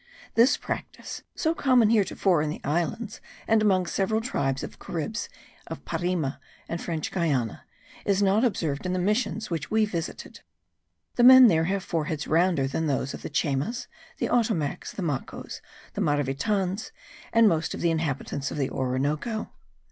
This practice, so common heretofore in the islands and among several tribes of the Caribs of Parima and French Guiana, is not observed in the missions which we visited. The men there have foreheads rounder than those of the Chaymas, the Otomacs, the Macos, the Maravitans and most of the inhabitants of the Orinoco.